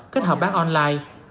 kết hợp bán online